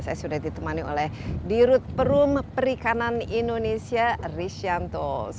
saya sudah ditemani oleh di rut perum perikanan indonesia rish yanto